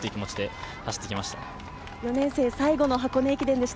４年生最後の箱根駅伝でした。